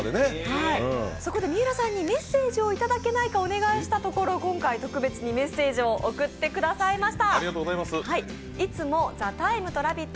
そこでみうらさんにメッセージをいただけないかお願いしたところ今回、特別にメッセージを送ってくださいました。